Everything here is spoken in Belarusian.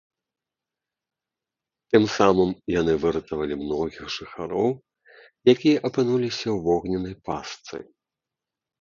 Тым самым яны выратавалі многіх жыхароў, якія апынуліся ў вогненнай пастцы.